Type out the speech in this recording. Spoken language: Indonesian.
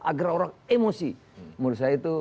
agar orang emosi menurut saya itu